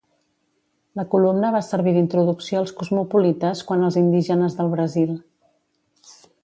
La columna va servir d'introducció als cosmopolites quant als indígenes del Brasil.